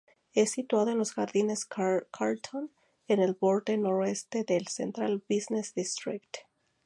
Es situado en los Jardines Carlton, en el borde noreste del "Central Business District".